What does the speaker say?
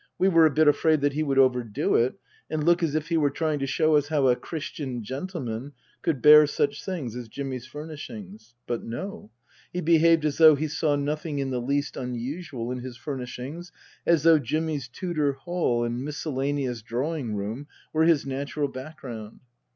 We were a bit afraid that he would overdo it and look as if he were trying to show us how a Christian gentleman could bear such things as Jimmy's furnishings. But no. He behaved as though he saw nothing in the least unusual in his furnish ings, as though Jimmy's Tudor hall and miscellaneous drawing room were his natural background.